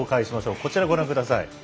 こちらをご覧ください。